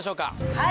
はい。